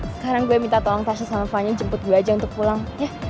sekarang gue minta tolong tasha sama fanny jemput gue aja untuk pulang